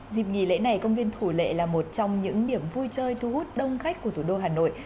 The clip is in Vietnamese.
dịp nghỉ lễ này công viên thủ lệ là một trong những điểm vui chơi thu hút đông khách của thủ đô hà nội